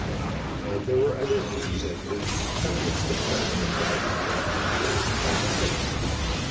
And there were other duties at Newton of which the crowd of riding men know little or nothing.